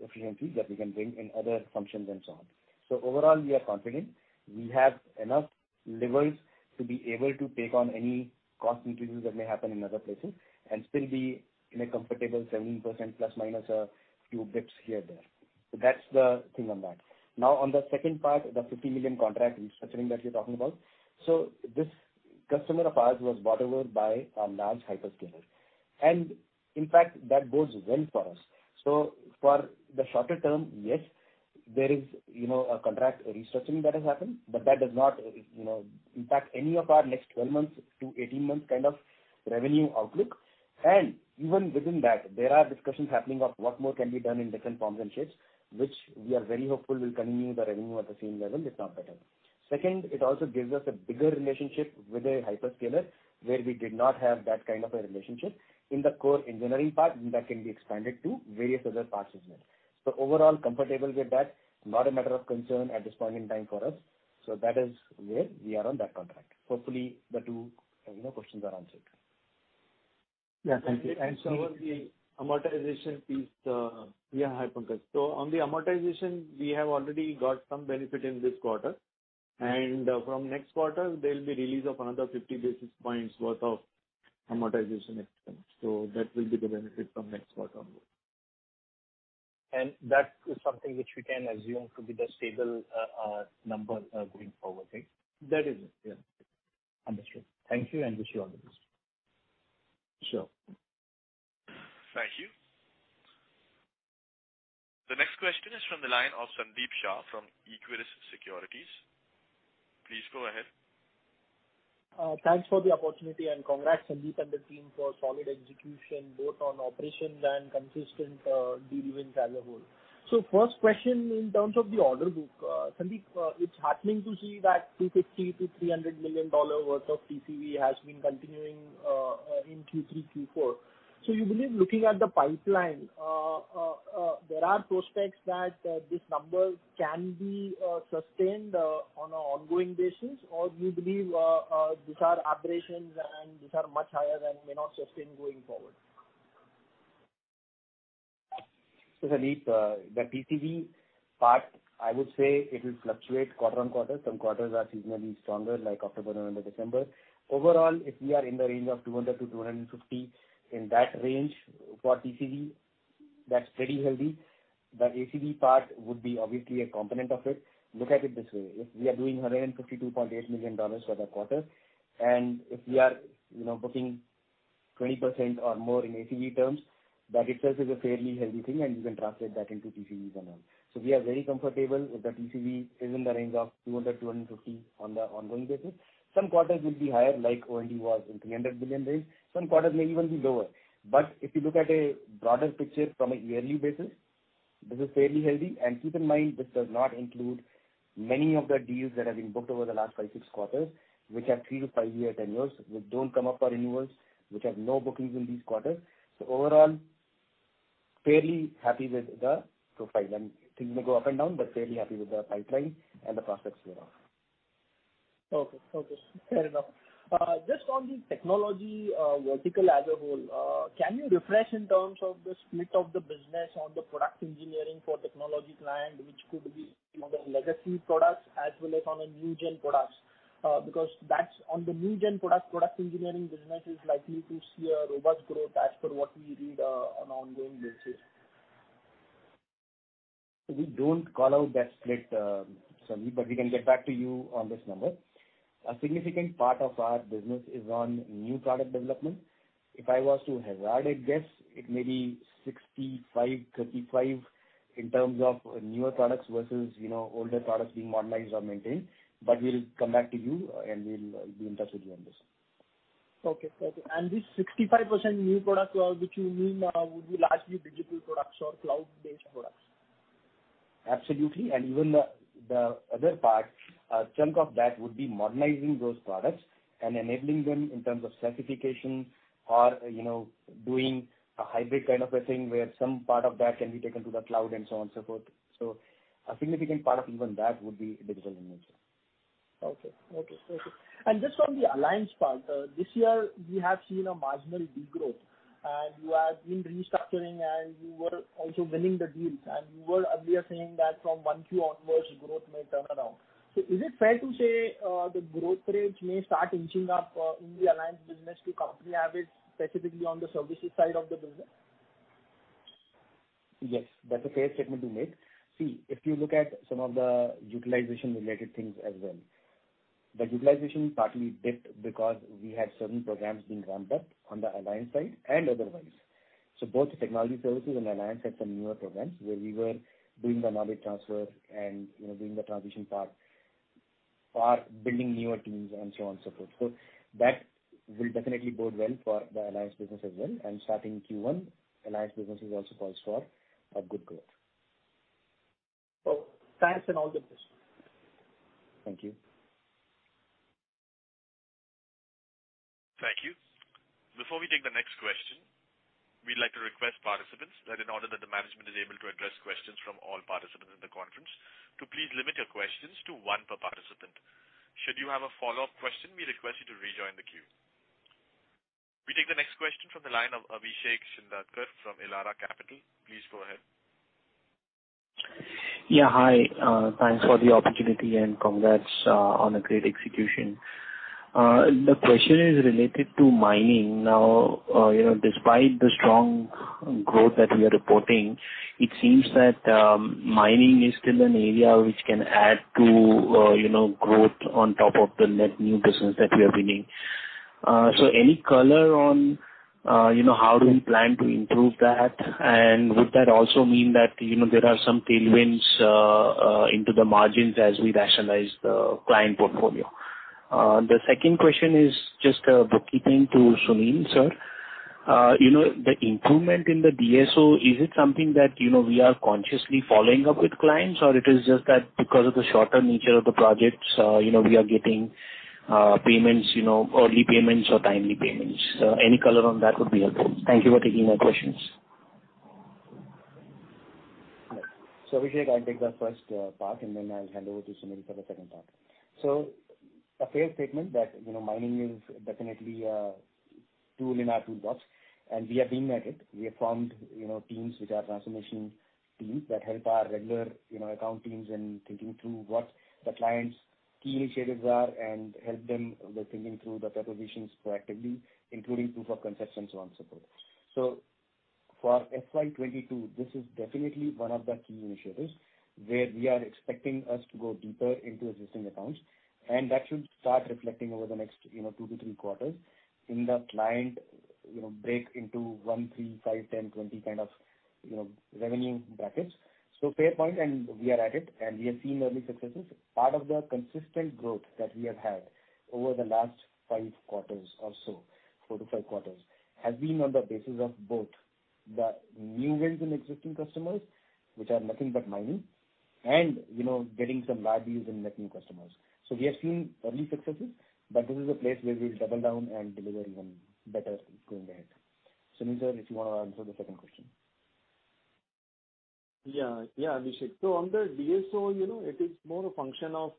efficiencies that we can bring in other functions and so on. Overall, we are confident. We have enough levers to be able to take on any cost increases that may happen in other places and still be in a comfortable 17% ± a few basis points here and there. That's the thing on that. On the second part, the 50 million contract restructuring that you're talking about. This customer of ours was bought over by a large hyperscaler. In fact, that bodes well for us. For the shorter term, yes, there is a contract restructuring that has happened, but that does not impact any of our next 12-18 months kind of revenue outlook. Even within that, there are discussions happening of what more can be done in different forms and shapes, which we are very hopeful will continue the revenue at the same level, if not better. Second, it also gives us a bigger relationship with a hyperscaler where we did not have that kind of a relationship in the core engineering part, and that can be expanded to various other parts as well. Overall, comfortable with that. Not a matter of concern at this point in time for us. That is where we are on that contract. Hopefully, the two questions are answered. Yeah. Thank you. Sunil. On the amortization piece. Hi, Pankaj. On the amortization, we have already got some benefit in this quarter. From next quarter, there'll be release of another 50 basis points worth of amortization expense. That will be the benefit from next quarter onwards. That is something which we can assume to be the stable number going forward, right? That is it, yeah. Understood. Thank you and wish you all the best. Sure. Thank you. The next question is from the line of Sandeep Shah from Equirus Securities. Please go ahead. Thanks for the opportunity, and congrats, Sandeep and the team, for solid execution, both on operations and consistent delivery as a whole. First question, in terms of the order book. Sandeep, it's heartening to see that $250 million-$300 million worth of TCV has been continuing in Q3, Q4. You believe looking at the pipeline, there are prospects that these numbers can be sustained on a ongoing basis? Or do you believe these are aberrations and these are much higher than may not sustain going forward? Sandeep, the TCV part, I would say it will fluctuate quarter on quarter. Some quarters are seasonally stronger, like October, November, December. Overall, if we are in the range of $200-$250, in that range for TCV, that's pretty healthy. The ACV part would be obviously a component of it. Look at it this way, if we are doing $152.8 million for the quarter, and if we are booking 20% or more in ACV terms, that itself is a fairly healthy thing, and you can translate that into TCVs and all. We are very comfortable if the TCV is in the range of $200-$250 on the ongoing basis. Some quarters will be higher, like O&D was in $300 million range. Some quarters may even be lower. If you look at a broader picture from a yearly basis, this is fairly healthy. Keep in mind, this does not include many of the deals that have been booked over the last five, six quarters, which have 3-5 year tenures which don't come up for renewals, which have no bookings in these quarters. Overall, fairly happy with the profile and things may go up and down, but fairly happy with the pipeline and the prospects thereof. Okay. Fair enough. Just on the technology vertical as a whole, can you refresh in terms of the split of the business on the product engineering for technology client, which could be more the legacy products as well as on the new gen products? That's on the new gen product engineering business is likely to see a robust growth as per what we read on ongoing basis. We don't call out that split, Sunny, we can get back to you on this number. A significant part of our business is on new product development. If I was to hazard a guess, it may be 65-35 in terms of newer products versus older products being modernized or maintained. We'll come back to you, and we'll be in touch with you on this. Okay. This 65% new product, which you mean would be largely digital products or cloud-based products? Absolutely. Even the other part, a chunk of that would be modernizing those products and enabling them in terms of certification or doing a hybrid kind of a thing where some part of that can be taken to the cloud and so on and so forth. A significant part of even that would be digital in nature. Okay. Just on the alliance part, this year we have seen a marginal degrowth. You have been restructuring and you were also winning the deals, and you were earlier saying that from one Q onwards, growth may turn around. Is it fair to say, the growth rate may start inching up in the alliance business to company average, specifically on the services side of the business? Yes, that's a fair statement to make. If you look at some of the utilization-related things as well. The utilization partly dipped because we had certain programs being ramped up on the alliance side and otherwise. Both the technology services and alliance had some newer programs where we were doing the knowledge transfer and doing the transition part for building newer teams and so on and so forth. That will definitely bode well for the alliance business as well. Starting Q1, alliance business is also poised for a good growth. Oh, thanks and all the best. Thank you. Thank you. Before we take the next question, we would like to request participants that in order that the management is able to address questions from all participants in the conference to please limit your questions to one per participant. Should you have a follow-up question, we request you to rejoin the queue. We take the next question from the line of Abhishek Shindadkar from Elara Capital. Please go ahead. Yeah, hi. Thanks for the opportunity and congrats on a great execution. The question is related to mining. Now, despite the strong growth that you are reporting, it seems that mining is still an area which can add to growth on top of the net new business that we are winning. Any color on how do you plan to improve that? Would that also mean that there are some tailwinds into the margins as we rationalize the client portfolio? The second question is just a bookkeeping to Sunil. The improvement in the DSO, is it something that we are consciously following up with clients or it is just that because of the shorter nature of the projects we are getting early payments or timely payments? Any color on that would be helpful. Thank you for taking my questions. Abhishek, I'll take the first part and then I'll hand over to Sunil for the second part. A fair statement that mining is definitely a tool in our toolbox, and we are being at it. We have formed teams which are transformation teams that help our regular account teams in thinking through what the client's key initiatives are and help them with thinking through the propositions proactively, including proof of concept and so on, so forth. For FY 2022, this is definitely one of the key initiatives where we are expecting us to go deeper into existing accounts, and that should start reflecting over the next two to three quarters in the client break into one, three, five, 10, 20 kind of revenue brackets. Fair point, and we are at it, and we have seen early successes. Part of the consistent growth that we have had over the last five quarters or so, four to five quarters, has been on the basis of both the new wins in existing customers, which are nothing but mining, and getting some large deals in net new customers. We have seen early successes, but this is a place where we'll double down and deliver even better going ahead. Sunil sir, if you want to answer the second question. Abhishek. On the DSO, it is more a function of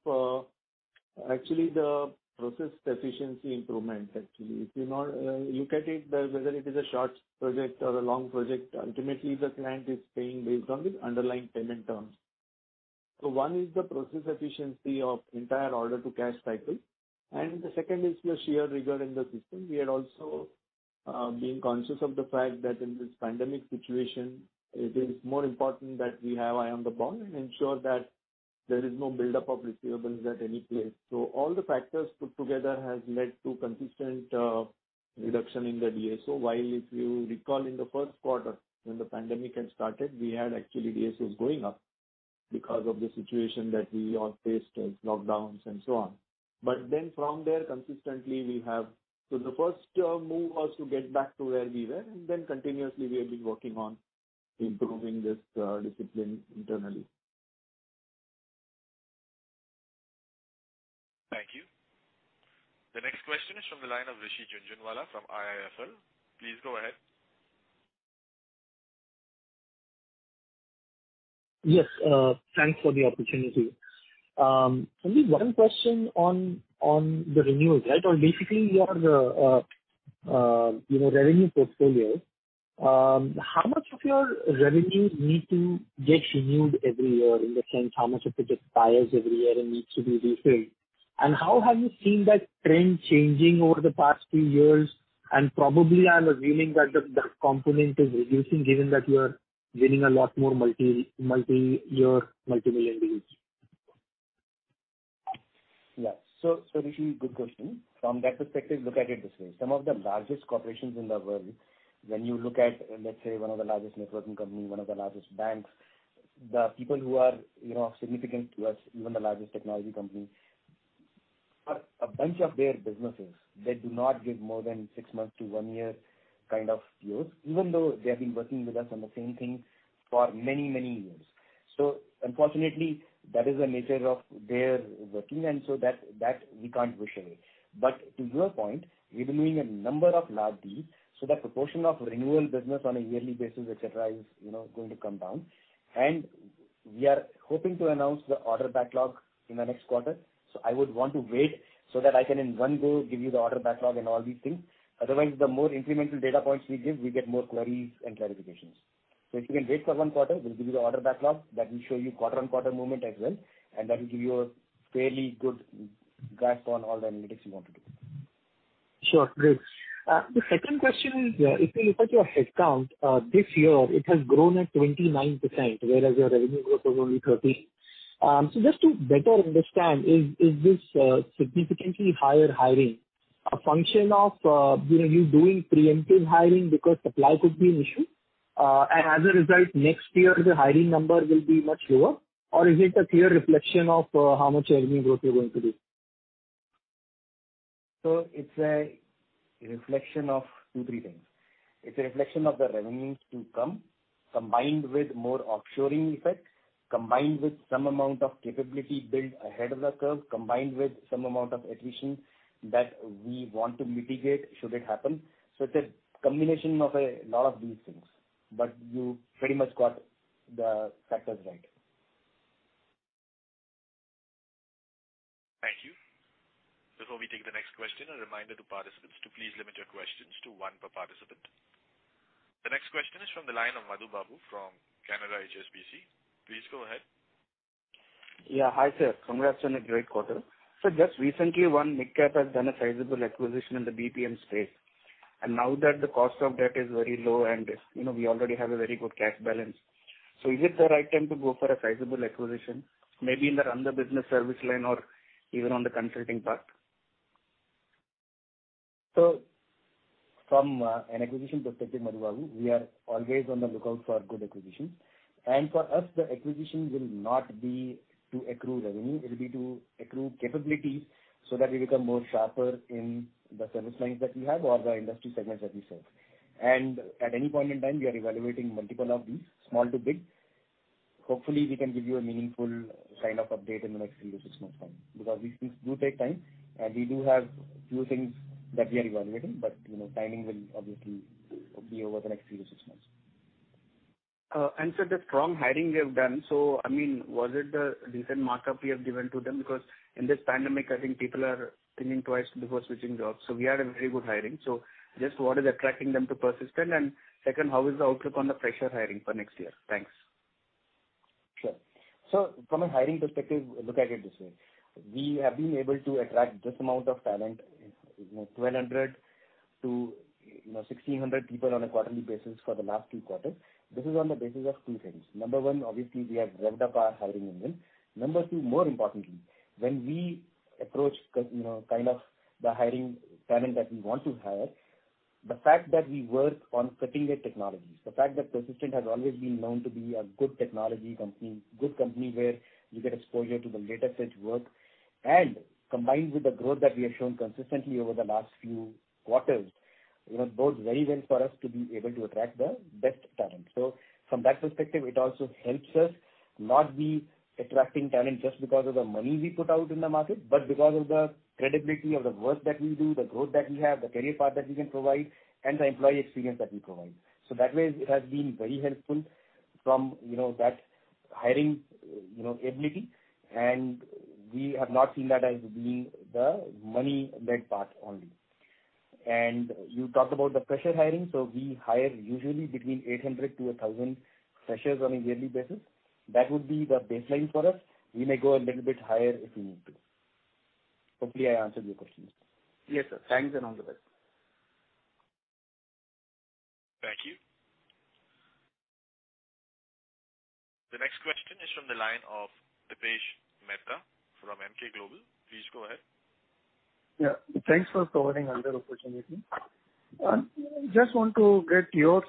actually the process efficiency improvement actually. If you look at it, whether it is a short project or a long project, ultimately the client is paying based on his underlying payment terms. One is the process efficiency of entire order-to-cash cycle, the second is your sheer rigor in the system. We are also being conscious of the fact that in this pandemic situation, it is more important that we have iron the bond and ensure that there is no buildup of receivables at any place. All the factors put together has led to consistent reduction in the DSO. While if you recall in the first quarter when the pandemic had started, we had actually DSOs going up because of the situation that we all faced as lockdowns and so on. From there, the first move was to get back to where we were. Continuously we have been working on improving this discipline internally. Thank you. The next question is from the line of Rishi Jhunjhunwala from IIFL. Please go ahead. Yes, thanks for the opportunity. Only one question on the renewals, right? On basically your revenue portfolio. How much of your revenue needs to get renewed every year? In the sense, how much of it expires every year and needs to be refilled? How have you seen that trend changing over the past few years? Probably, I'm assuming that the component is reducing given that you are winning a lot more multi-year, multimillion deals. Yeah. Rishi, good question. From that perspective, look at it this way. Some of the largest corporations in the world, when you look at, let's say, one of the largest networking company, one of the largest banks. The people who are significant to us, even the largest technology company. For a bunch of their businesses, they do not give more than six months to one year kind of deals, even though they have been working with us on the same thing for many years. Unfortunately, that is the nature of their working and so that we can't wish away. To your point, we've been doing a number of large deals, so the proportion of renewal business on a yearly basis, et cetera, is going to come down. We are hoping to announce the order backlog in the next quarter. I would want to wait so that I can in one go give you the order backlog and all these things. Otherwise, the more incremental data points we give, we get more queries and clarifications. If you can wait for one quarter, we'll give you the order backlog. That will show you quarter-on-quarter movement as well, and that will give you a fairly good grasp on all the analytics you want to do. Sure. Great. The second question is, if you look at your headcount, this year it has grown at 29%, whereas your revenue growth was only 13%. Just to better understand, is this significantly higher hiring a function of you doing preemptive hiring because supply could be an issue? As a result, next year, the hiring number will be much lower, or is it a clear reflection of how much revenue growth you're going to do? It's a reflection of two, three things. It's a reflection of the revenues to come, combined with more offshoring effect, combined with some amount of capability built ahead of the curve, combined with some amount of attrition that we want to mitigate should it happen. It's a combination of a lot of these things. You pretty much got the factors right. Thank you. Before we take the next question, a reminder to participants to please limit your questions to one per participant. The next question is from the line of Madhu Babu from Canara HSBC. Please go ahead. Yeah. Hi, sir. Congrats on a great quarter. Just recently, one midcap has done a sizable acquisition in the BPM space. Now that the cost of debt is very low and we already have a very good cash balance, is it the right time to go for a sizable acquisition? Maybe in the run the business service line or even on the consulting part? From an acquisition perspective, Madhu Babu, we are always on the lookout for good acquisitions. For us, the acquisition will not be to accrue revenue. It'll be to accrue capabilities so that we become more sharper in the service lines that we have or the industry segments that we serve. At any point in time, we are evaluating multiple of these, small to big. Hopefully, we can give you a meaningful sign-up update in the next 3-6 months time because these things do take time and we do have few things that we are evaluating, but timing will obviously be over the next 3-6 months. Sir, the strong hiring you have done. Was it the decent markup you have given to them? Because in this pandemic, I think people are thinking twice before switching jobs. We had a very good hiring. Just what is attracting them to Persistent? Second, how is the outlook on the fresher hiring for next year? Thanks. Sure. From a hiring perspective, look at it this way. We have been able to attract this amount of talent, 1,200-1,600 people on a quarterly basis for the last two quarters. This is on the basis of two things. Number one, obviously, we have revved up our hiring engine. Number two, more importantly, when we approach the hiring talent that we want to hire, the fact that we work on cutting-edge technologies, the fact that Persistent has always been known to be a good technology company, good company where you get exposure to the latest edge work and combined with the growth that we have shown consistently over the last few quarters, bodes very well for us to be able to attract the best talent. From that perspective, it also helps us not be attracting talent just because of the money we put out in the market, but because of the credibility of the work that we do, the growth that we have, the career path that we can provide, and the employee experience that we provide. That way, it has been very helpful from that hiring ability and we have not seen that as being the money-led path only. You talked about the fresher hiring. We hire usually between 800-1,000 freshers on a yearly basis. That would be the baseline for us. We may go a little bit higher if we need to. Hopefully, I answered your questions. Yes, sir. Thanks and all the best. Thank you. The next question is from the line of Dipesh Mehta from Emkay Global. Please go ahead. Yeah. Thanks for providing another opportunity. I just want to get your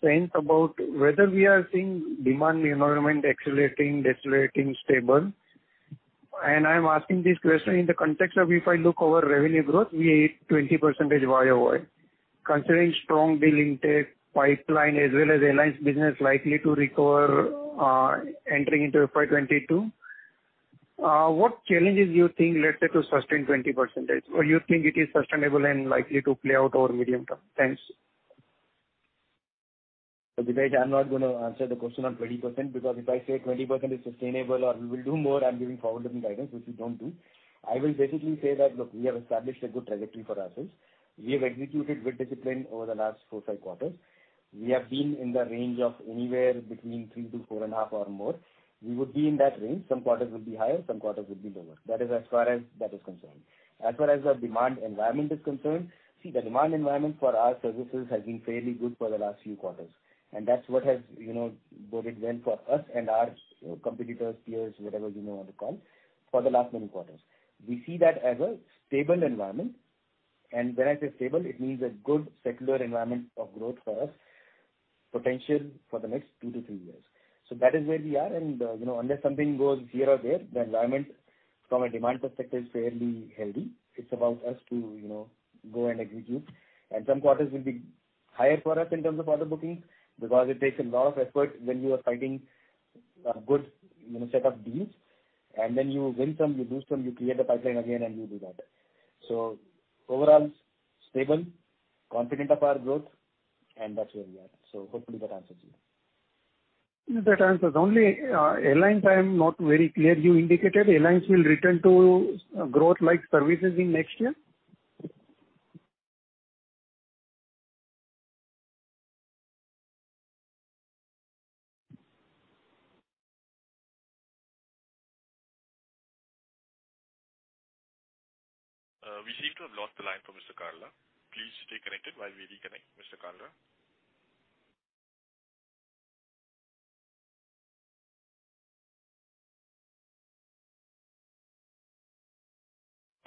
sense about whether we are seeing demand environment accelerating, decelerating, stable. I'm asking this question in the context of if I look over revenue growth, we are at 20% YOY. Considering strong bill intake, pipeline as well as alliance business likely to recover entering into FY 2022. What challenges you think, let's say, to sustain 20%? You think it is sustainable and likely to play out over medium term? Thanks. Dipesh, I'm not going to answer the question on 20% because if I say 20% is sustainable or we will do more, I'm giving forward-looking guidance which we don't do. I will basically say that, look, we have established a good trajectory for ourselves. We have executed with discipline over the last four, five quarters. We have been in the range of anywhere between three to four and a half or more. We would be in that range. Some quarters will be higher, some quarters will be lower. That is as far as that is concerned. As far as our demand environment is concerned, see, the demand environment for our services has been fairly good for the last few quarters. That's what has boded well for us and our competitors, peers, whatever you may want to call, for the last many quarters. We see that as a stable environment, and when I say stable, it means a good secular environment of growth for us, potential for the next two to three years. That is where we are, and unless something goes here or there, the environment from a demand perspective is fairly healthy. It's about us to go and execute. Some quarters will be higher for us in terms of order booking because it takes a lot of effort when you are fighting a good set of deals, and then you win some, you lose some, you create the pipeline again, and you do that. Overall, stable, confident of our growth, and that's where we are. Hopefully that answers you. That answers. Only airlines I am not very clear. You indicated airlines will return to growth like services in next year? We seem to have lost the line for Mr. Kalra. Please stay connected while we reconnect Mr. Kalra.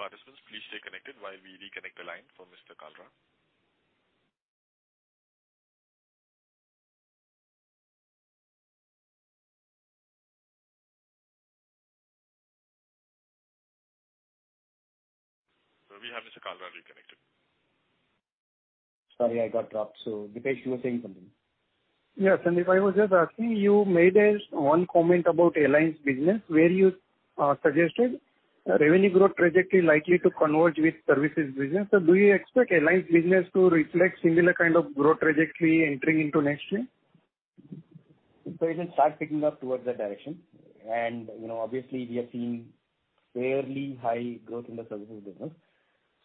Participants, please stay connected while we reconnect the line for Mr. Kalra. We have Mr. Kalra reconnected. Sorry, I got dropped. Dipesh, you were saying something. Yes, Sandeep. I was just asking, you made one comment about airlines business where you suggested revenue growth trajectory likely to converge with services business. Do you expect airlines business to reflect similar kind of growth trajectory entering into next year? It will start picking up towards that direction. Obviously, we are seeing fairly high growth in the services business.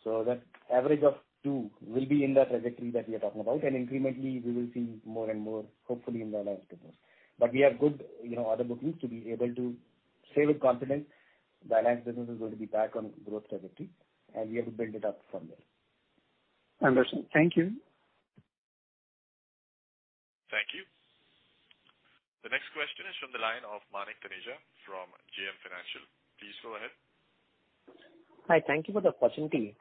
That average of two will be in the trajectory that we are talking about. Incrementally, we will see more and more, hopefully in the line of business. We have good order bookings to be able to say with confidence the alliance business is going to be back on growth trajectory, and we have to build it up from there. Understood. Thank you. Thank you. The next question is from the line of Manik Taneja from JM Financial. Please go ahead. Hi. Thank you for the opportunity.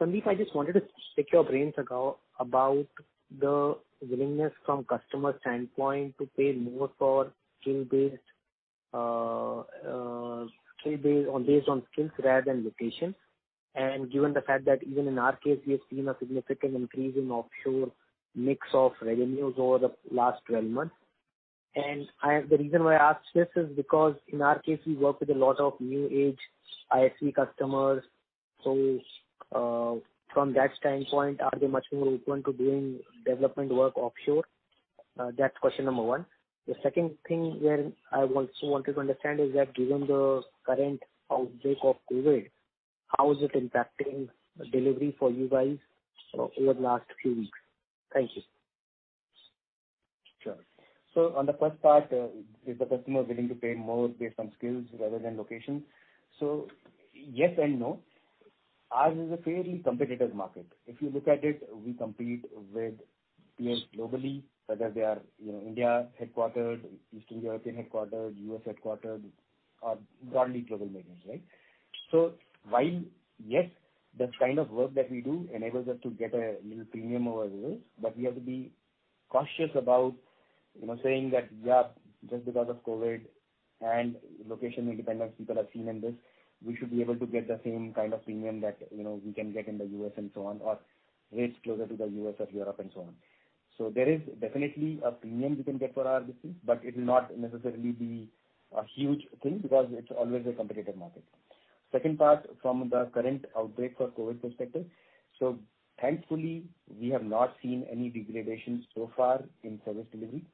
Sandeep, I just wanted to pick your brains about the willingness from customer standpoint to pay more for skill-based, or based on skills rather than location. Given the fact that even in our case, we have seen a significant increase in offshore mix of revenues over the last 12 months. The reason why I ask this is because in our case, we work with a lot of new age ISV customers. From that standpoint, are they much more open to doing development work offshore? That's question number one. The second thing where I also wanted to understand is that given the current outbreak of COVID, how is it impacting delivery for you guys over the last few weeks? Thank you. Sure. On the first part, is the customer willing to pay more based on skills rather than location? Yes and no. Ours is a fairly competitive market. If you look at it, we compete with peers globally, whether they are India-headquartered, Eastern European-headquartered, U.S.-headquartered, or broadly global majors, right? While, yes, the kind of work that we do enables us to get a little premium over others, but we have to be cautious about saying that, yeah, just because of COVID and location independence people have seen in this, we should be able to get the same kind of premium that we can get in the U.S. and so on, or rates closer to the U.S. or Europe and so on. There is definitely a premium we can get for our business, but it will not necessarily be a huge thing because it's always a competitive market. Second part, from the current outbreak for COVID perspective. Thankfully, we have not seen any degradation so far in service delivery.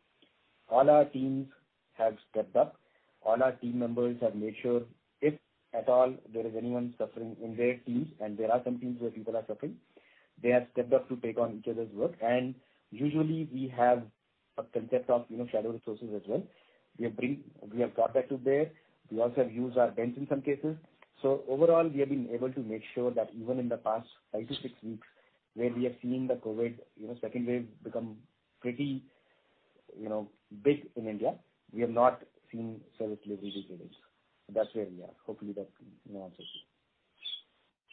All our teams have stepped up. All our team members have made sure if at all there is anyone suffering in their teams, and there are some teams where people are suffering, they have stepped up to take on each other's work. Usually we have a concept of shadow resources as well. We have brought that to bear. We also have used our bench in some cases. Overall, we have been able to make sure that even in the past five to six weeks, where we have seen the COVID second wave become pretty big in India, we have not seen service delivery degradation. That's where we are. Hopefully that answers you.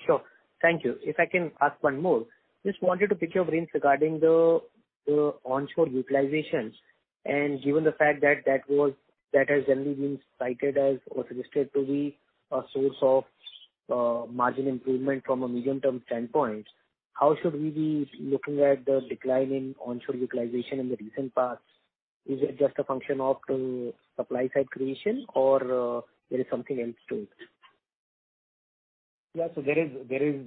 Sure. Thank you. If I can ask one more, just wanted to pick your brains regarding the onshore utilizations, and given the fact that has generally been cited as or suggested to be a source of margin improvement from a medium-term standpoint, how should we be looking at the decline in onshore utilization in the recent past? Is it just a function of supply side creation or there is something else to it? Yeah. There is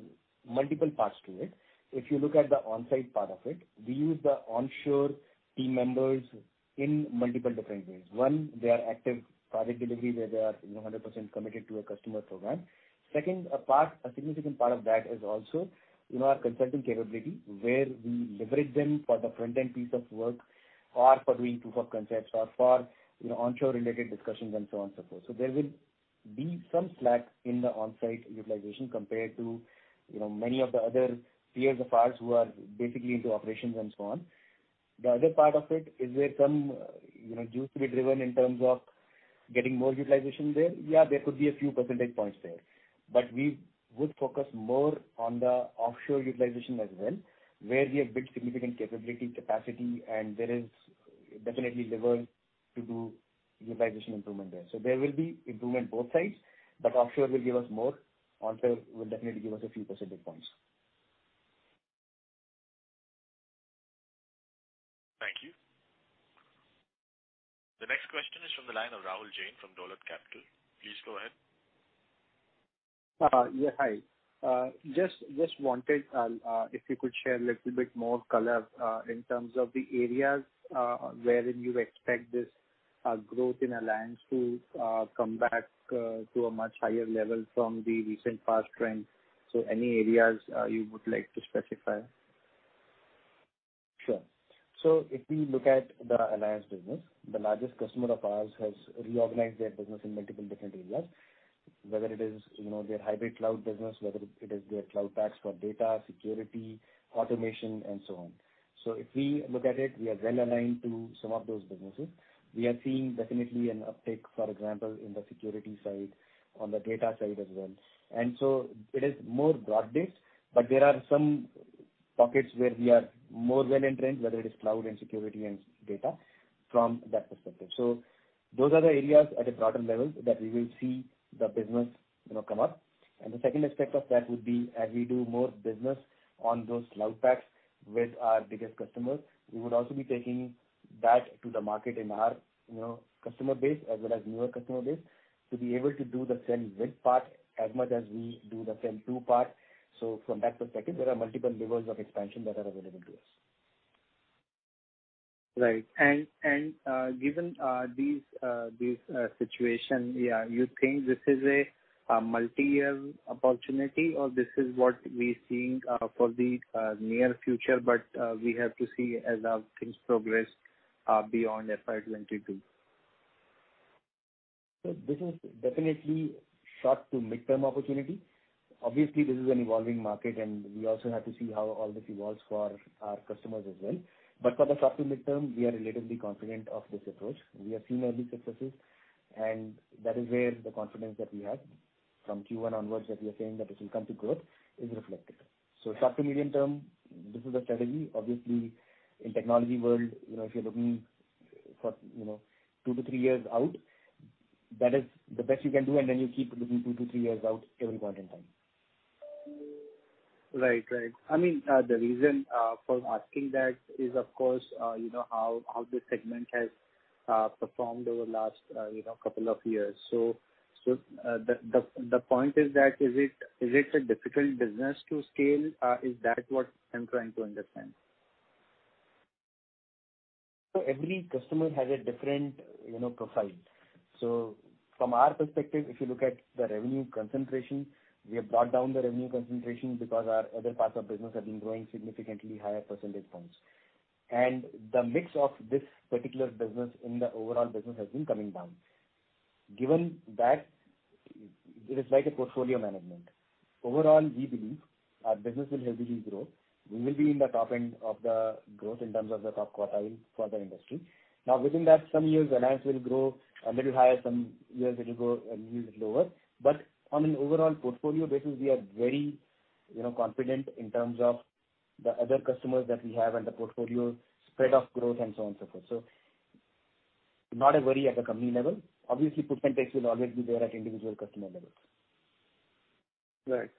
multiple parts to it. If you look at the onsite part of it, we use the onshore team members in multiple different ways. One, they are active project delivery where they are 100% committed to a customer program. Second, a significant part of that is also our consulting capability where we leverage them for the front-end piece of work or for doing proof of concepts or for onshore-related discussions and so on, so forth. There will be some slack in the onsite utilization compared to many of the other peers of ours who are basically into operations and so on. The other part of it is where some used to be driven in terms of getting more utilization there. Yeah, there could be a few percentage points there. We would focus more on the offshore utilization as well, where we have built significant capability, capacity, and there is definitely lever to do utilization improvement there. There will be improvement both sides, but offshore will give us more. Onshore will definitely give us a few percentage points. Thank you. The next question is from the line of Rahul Jain from Dolat Capital. Please go ahead. Yeah. Hi. Just wanted, if you could share a little bit more color in terms of the areas wherein you expect this growth in alliance to come back to a much higher level from the recent past trend. Any areas you would like to specify? Sure. If we look at the alliance business, the largest customer of ours has reorganized their business in multiple different areas, whether it is their hybrid cloud business, whether it is their Cloud Pak for data, security, automation, and so on. If we look at it, we are well-aligned to some of those businesses. We are seeing definitely an uptick, for example, in the security side, on the data side as well. It is more broad-based, but there are some pockets where we are more well entranced, whether it is cloud and security and data from that perspective. Those are the areas at a broader level that we will see the business come up. The second aspect of that would be as we do more business on those Cloud Pak with our biggest customers, we would also be taking that to the market in our customer base as well as newer customer base to be able to do the sell width part as much as we do the sell to part. From that perspective, there are multiple levers of expansion that are available to us. Right. Given this situation, you think this is a multi-year opportunity or this is what we're seeing for the near future, but we have to see as our things progress beyond FY 2022? This is definitely short to mid-term opportunity. Obviously, this is an evolving market and we also have to see how all this evolves for our customers as well. But for the short to mid-term, we are relatively confident of this approach. We have seen early successes, and that is where the confidence that we have from Q1 onwards that we are saying that it will come to growth is reflected. Short to medium term, this is the strategy. Obviously, in technology world if you're looking for two to three years out, that is the best you can do, and then you keep looking two to three years out every point in time. Right. The reason for asking that is, of course, how this segment has performed over the last couple of years. The point is that, is it a difficult business to scale? Is that what I'm trying to understand? Every customer has a different profile. From our perspective, if you look at the revenue concentration, we have brought down the revenue concentration because our other parts of business have been growing significantly higher percentage points. The mix of this particular business in the overall business has been coming down. Given that, it is like a portfolio management. Overall, we believe our business will heavily grow. We will be in the top end of the growth in terms of the top quartile for the industry. Within that, some years alliance will grow a little higher, some years it'll grow a little lower. On an overall portfolio basis, we are very confident in terms of the other customers that we have and the portfolio spread of growth and so on, so forth. Not a worry at the company level. Obviously, percentage will always be there at individual customer levels. Right.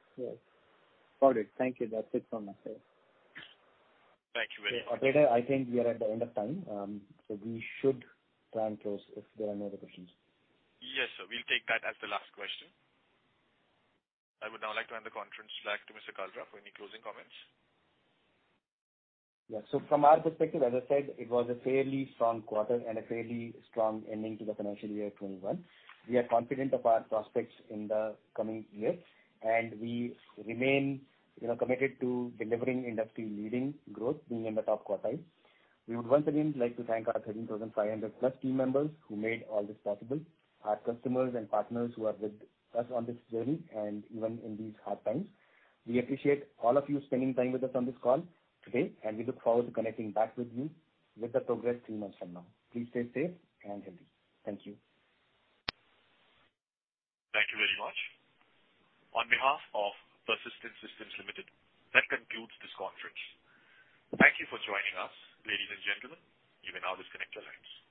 Got it. Thank you. That is it from my side. Thank you very much. Operator, I think we are at the end of time. We should try and close if there are no other questions. Yes, sir. We'll take that as the last question. I would now like to hand the conference back to Mr. Kalra for any closing comments. Yeah. From our perspective, as I said, it was a fairly strong quarter and a fairly strong ending to the financial year 2021. We are confident of our prospects in the coming years, and we remain committed to delivering industry-leading growth, being in the top quartile. We would once again like to thank our 13,500+ team members who made all this possible, our customers and partners who are with us on this journey and even in these hard times. We appreciate all of you spending time with us on this call today, and we look forward to connecting back with you with the progress three months from now. Please stay safe and healthy. Thank you. Thank you very much. On behalf of Persistent Systems Limited, that concludes this conference. Thank you for joining us, ladies and gentlemen. You may now disconnect your lines.